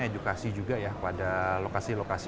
edukasi juga ya pada lokasi lokasi